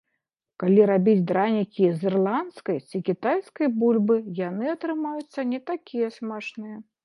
Калі рабіць дранікі з ірландскай ці кітайскай бульбы, яны атрымаюцца не такія смачныя.